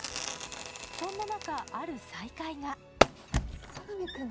そんな中、ある再会が。